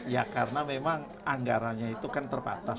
ya karena memang anggarannya itu kan terbatas